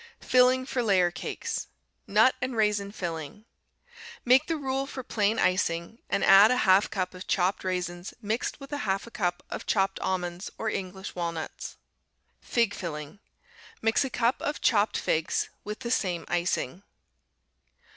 FILLING FOR LAYER CAKES Nut and Raisin Filling Make the rule for plain icing, and add a half cup of chopped raisins mixed with half a cup of chopped almonds or English walnuts. Fig Filling Mix a cup of chopped figs with the same icing.